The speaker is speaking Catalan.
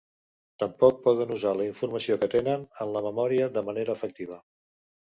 Tampoc poden usar la informació que tenen en la memòria de manera efectiva.